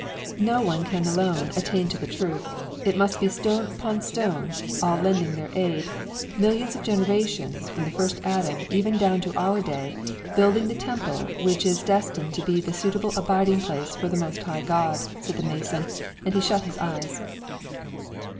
" No one can alone attain to the truth; it must be stone upon stone, all lending their aid, mil lions of generations, from the first Adam even down to our day, building the temple which is destined to be the suitable abiding place for the Most High God," said the Mason, and he shut his eyes.